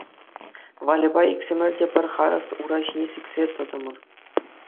Вальӑпа иксӗмӗр те пӗр харӑс ура ҫине сиксе тӑтӑмӑр.